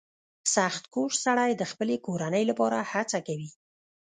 • سختکوش سړی د خپلې کورنۍ لپاره هڅه کوي.